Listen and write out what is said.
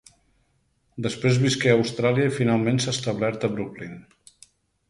Després visqué a Austràlia i finalment s'ha establert a Brooklyn.